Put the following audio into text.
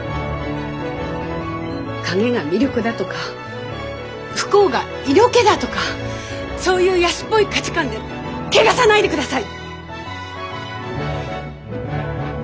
影が魅力だとか不幸が色気だとかそういう安っぽい価値観で汚さないでください！